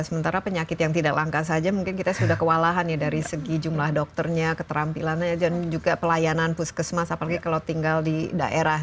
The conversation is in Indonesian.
sementara penyakit yang tidak langka saja mungkin kita sudah kewalahan ya dari segi jumlah dokternya keterampilannya dan juga pelayanan puskesmas apalagi kalau tinggal di daerah